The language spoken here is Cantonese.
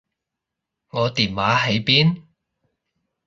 我電話喺邊？